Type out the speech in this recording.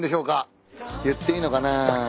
言っていいのかな？